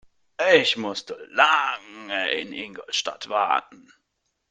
Ich musste lange in Ingolstadt warten